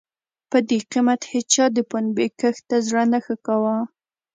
په دې قېمت هېچا د پنبې کښت ته زړه نه ښه کاوه.